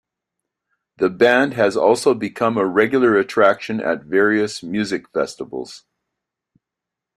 The band has also become a regular attraction at various music festivals.